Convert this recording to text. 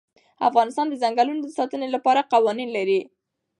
افغانستان د چنګلونه د ساتنې لپاره قوانین لري.